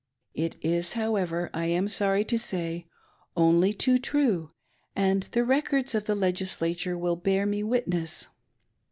It is, however, I am sorry to say, only too true, and the records of the Legislature will bear me witness.